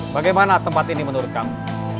bagaimana tempat ini menurut kamu